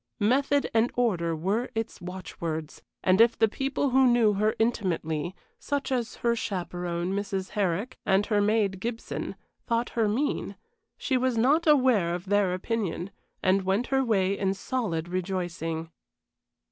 Method and order were its watchwords; and if the people who knew her intimately such as her chaperon, Mrs. Herrick, and her maid, Gibson thought her mean, she was not aware of their opinion, and went her way in solid rejoicing.